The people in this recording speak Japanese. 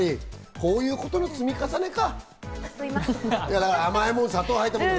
こういうことの積み重ねか。